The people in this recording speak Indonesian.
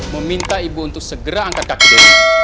meminta ibu untuk segera angkat kaki dulu